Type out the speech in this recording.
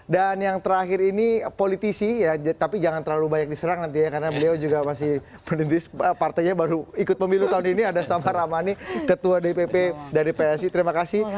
dan yang terakhir ini politisi tapi jangan terlalu banyak diserang nanti ya karena beliau juga masih menulis partainya baru ikut pemilu tahun ini ada samara amani ketua dpp dari psi terima kasih